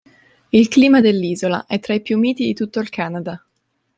Il clima dell'isola è tra i più miti di tutto il Canada.